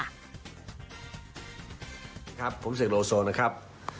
สวัสดีครับผมพี่เสกโลโซนะครับ